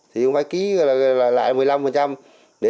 thì cũng phải ký lại một mươi năm để cho lấy tiền chi phí